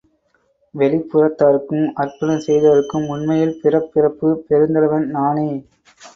வெளிப்புறத்தாருக்கும் அர்ப்பணம் செய்தோருக்கும் உண்மையில் பிறப்பிறப்புப் பெருந்தலைவன் நானே!